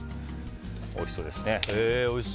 おいしそうですね。